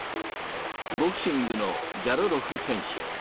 ボクシングのジャロロフ選手。